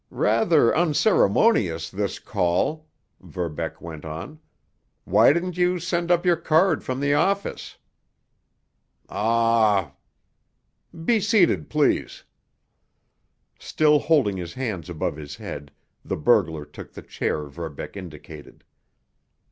"Rather unceremonious, this call," Verbeck went on. "Why didn't you send up your card from the office?" "Aw——" "Be seated, please!" Still holding his hands above his head, the burglar took the chair Verbeck indicated.